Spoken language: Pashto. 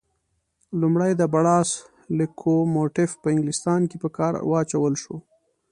لومړی د بړاس لکوموټیف په انګلیستان کې په کار واچول شو.